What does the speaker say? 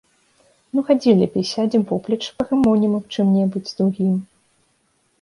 Ну, хадзі лепей, сядзем поплеч, пагамонім аб чым-небудзь другім.